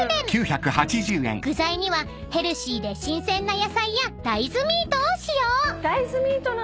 ［具材にはヘルシーで新鮮な野菜や大豆ミートを使用］